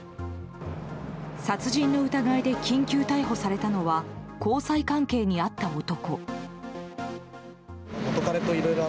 殺人の疑いで緊急逮捕されたのは交際関係にあった男。